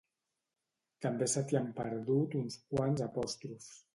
També se t'hi han perdut uns quants apòstrofs